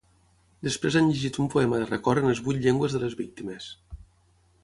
Després han llegit un poema de record en les vuit llengües de les víctimes.